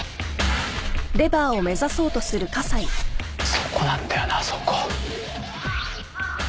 そこなんだよなそこ。